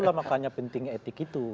ya makanya pentingnya etik itu